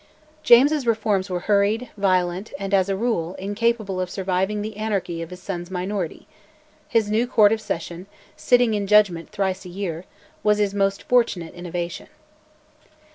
James's reforms were hurried, violent, and, as a rule, incapable of surviving the anarchy of his son's minority: his new Court of Session, sitting in judgment thrice a year, was his most fortunate innovation.